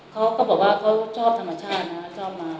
เขาก็บอกว่าเขาชอบธรรมชาตินะชอบมา